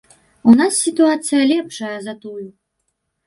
У нас сітуацыя лепшая за тую.